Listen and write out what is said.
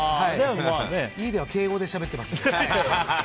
家では敬語でしゃべってます。